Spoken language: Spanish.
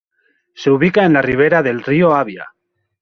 Se ubica en la rivera del río Avia.